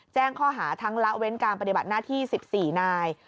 แจ้งข้อหาทั้งละเว้นการปฏิบัติหน้าที่๑๔นาย